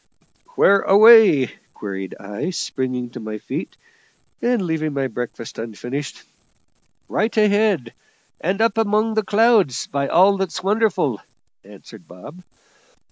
"Where away?" queried I, springing to my feet and leaving my breakfast unfinished. "Right ahead, and up among the clouds, by all that's wonderful!" answered Bob.